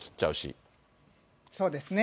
そうですね。